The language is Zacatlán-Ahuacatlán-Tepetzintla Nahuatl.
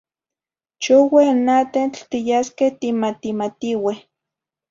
Choueh n atentl tiyasqueh timatimatiueh